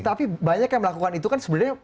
tapi banyak yang melakukan itu kan sebenarnya